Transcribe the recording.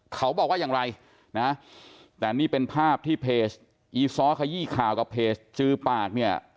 เขาบอกว่าอย่างไรนะแต่นี่เป็นภาพที่เพจอีซ้อขยี้ข่าวกับเพจจือปากเนี่ย